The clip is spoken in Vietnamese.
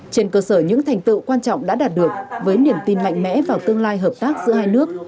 trên cơ sở những thành tựu quan trọng đã đạt được với niềm tin mạnh mẽ vào tương lai hợp tác giữa hai nước